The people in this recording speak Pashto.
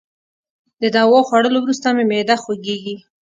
د دوا خوړولو وروسته مي معده خوږیږي.